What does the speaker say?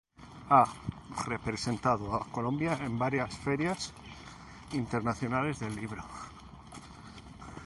Ha representado a Colombia en varias ferias internacionales del libro.